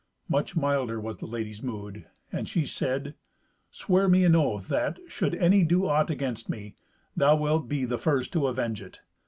Much milder was the lady's mood, and she said, "Swear me an oath that, should any do aught against me, thou wilt be the first to avenge it."